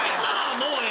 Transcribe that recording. もうええ。